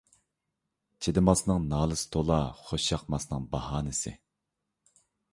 چىدىماسنىڭ نالىسى تۇلا، خوش ياقماسنىڭ باھانىسى.